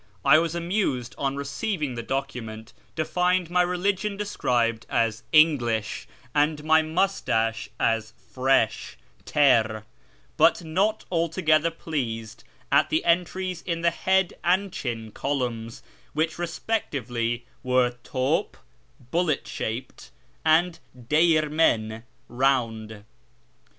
1 was amused on receiving the document to find my religion de scribed as "English" and my moustache as "fresh" (tcr)^ Ijut not alogether pleased at the entries in the " head " and " chin " columns, which respectively were ''toil" (bullet shaped) and " dcyirmcn" (round).